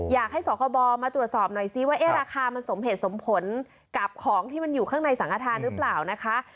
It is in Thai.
อยากให้สคบมาตรวจสอบหน่อยซิว่าราคามันสมเหตุสมผลกับของที่มันอยู่ข้างในสังฆฐานหรือเปล่านะคะ